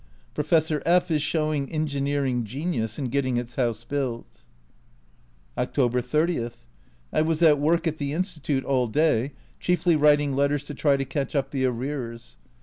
Professor F is showing engineering genius in getting its house built. October 30. I was at work at the Institute all day, chiefly writing letters to try to catch up the arrears.